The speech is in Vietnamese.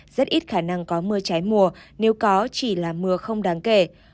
rất ít khả năng có mưa trái mùa nếu có chỉ là mưa không đáng kể